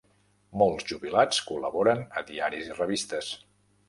Molts jubilats col·laboren a diaris i revistes.